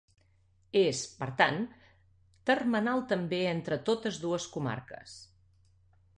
És, per tant, termenal també entre totes dues comarques.